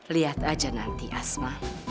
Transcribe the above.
lihat aja nanti asma